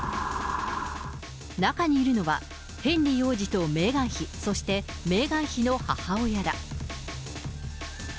中にいるのは、ヘンリー王子とメーガン妃、そしてメーガン妃の母親だ。